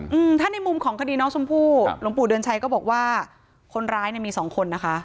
อืมถ้าในมุมของคดีน้องชมพู่หลวงปู่เดือนชัยก็บอกว่าคนร้ายเนี้ยมีสองคนนะคะ